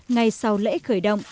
ngay sau lễ khởi động